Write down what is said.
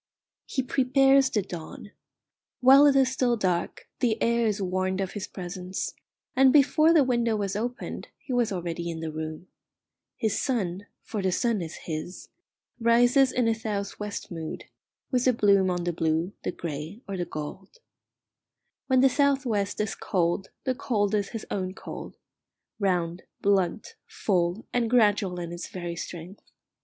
He prepares the dawn. While it is still dark the air is warned of his presence, and before the window was opened he was already in the room. His sun for the sun is his rises in a south west mood, with a bloom on the blue, the grey, or the gold. When the south west is cold, the cold is his own cold round, blunt, full, and gradual in its very strength.